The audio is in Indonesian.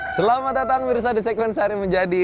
selamat datang mirsa di segmen sehari menjadi